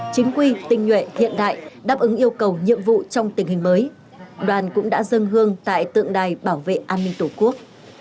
chính quy tinh nhuệ hiện đại đáp ứng yêu cầu nhiệm vụ trong tình hình mới đoàn cũng đã dân hương tại tượng đài bảo vệ an ninh tổ quốc